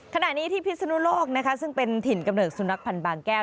ขณะนี้ที่พิศนุโลกนะคะซึ่งเป็นถิ่นกำเนิดสุนัขพันธ์บางแก้ว